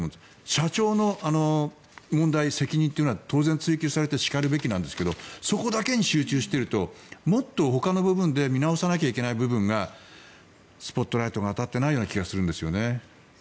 社長の問題、責任というのは当然、追及されてしかるべきなんですけどそこだけに集中しているともっとほかの部分で見直さなきゃいけない部分がスポットライトが当たっていないような気がするんですよね。